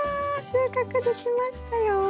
収穫できましたよ。